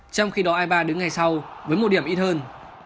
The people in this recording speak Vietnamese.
trong khi đó eibar đứng ngay sau với một điểm ít hơn